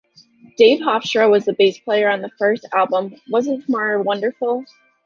Dave Hofstra was the bass player on the first album, Wasn't Tomorrow Wonderful?